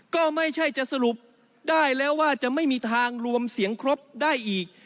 ก็ไม่ใช่จะสรุปได้แล้วว่าจะไม่มีทางรวมเสียงครบได้อีก